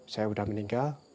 saya sudah meninggal